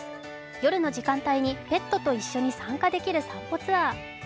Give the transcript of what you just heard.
夜の時間帯にペットと一緒に参加できる散歩ツアー。